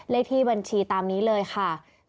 เลขที่บัญชีตามนี้เลยค่ะ